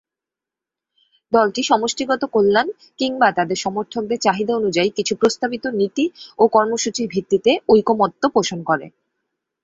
দলটি সমষ্টিগত কল্যাণ কিংবা তাদের সমর্থকদের চাহিদা অনুযায়ী কিছু প্রস্তাবিত নীতি ও কর্মসূচির ভিত্তিতে ঐকমত্য পোষণ করে।